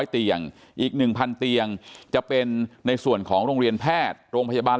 เตียงอีก๑๐๐เตียงจะเป็นในส่วนของโรงเรียนแพทย์โรงพยาบาล